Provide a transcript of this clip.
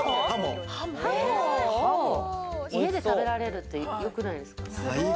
ハモを家で食べられるってよくないですか？